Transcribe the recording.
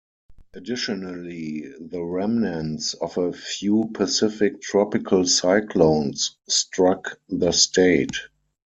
Additionally, the remnants of a few Pacific tropical cyclones struck the state.